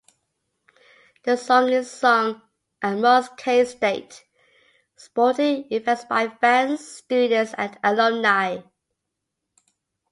The song is sung at most K-State sporting events by fans, students and alumni.